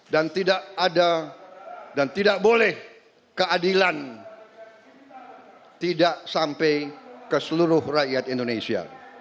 dan tidak ada dan tidak boleh keadilan tidak sampai ke seluruh rakyat indonesia